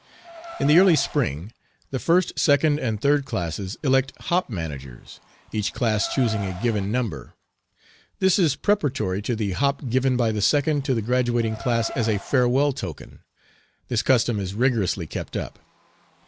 In the early spring, the first, second, and third classes elect hop managers, each class choosing a given number. This is preparatory to the hop given by the second to the graduating class as a farewell token. This custom is rigorously kept up.